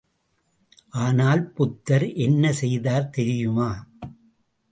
ஆனால் புத்தர் என்ன செய்தார் தெரியுமா?